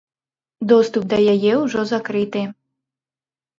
Доступ да яе ўжо закрыты.